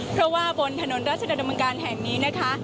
เพราะว่าบนถนนรัชน์ดำเนินกลางแห่งนี้นะคะ